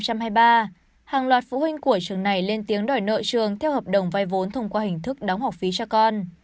hàng loạt phụ huynh của trường này lên tiếng đòi nợ trường theo hợp đồng vai vốn thông qua hình thức đóng học phí cho con